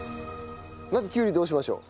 まずきゅうりどうしましょう。